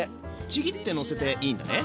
ちぎってのせていいんだね。